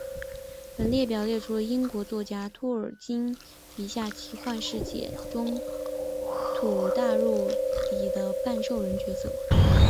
本列表列出了英国作家托尔金笔下奇幻世界中土大陆里的半兽人角色。